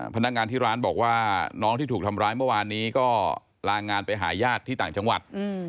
พนักงานที่ร้านบอกว่าน้องที่ถูกทำร้ายเมื่อวานนี้ก็ลางานไปหาญาติที่ต่างจังหวัด